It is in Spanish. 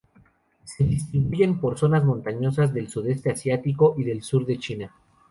Se distribuyen por zonas montañosas del Sudeste Asiático y del sur de China.